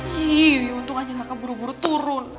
yuih untung aja kakak buru buru turun